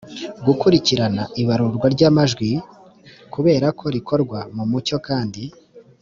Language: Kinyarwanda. gukurikirana ibarurwa ry amajwi kureba ko rikorwa mu mucyo kandi